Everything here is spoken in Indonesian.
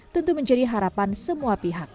tentu menjadi harapan semua pihak